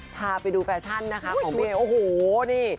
พาไปดูแฟชั่นนะคะของเมย์โอ้โหนี่